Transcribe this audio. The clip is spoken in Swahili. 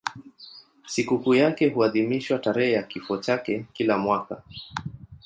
Sikukuu yake huadhimishwa tarehe ya kifo chake kila mwaka.